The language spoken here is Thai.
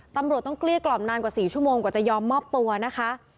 ตำรวจต้องเกลี้ยกล่อมนานกว่า๔ชั่วโมงกว่าจะยอมมอบตัวนะคะ